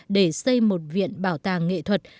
để xây một viện bảo tàng nghệ thuật